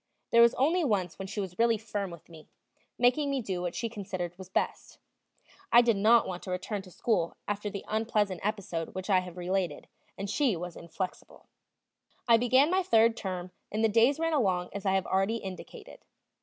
There was only once when she was really firm with me, making me do what she considered was best; I did not want to return to school after the unpleasant episode which I have related, and she was inflexible. I began my third term, and the days ran along as I have already indicated.